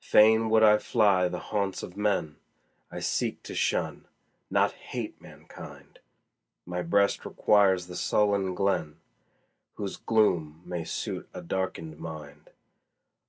Fain would I fly the haunts of men I seek to shun, not hate mankind; My breast requires the sullen glen, Whose gloom may suit a darken'd mind.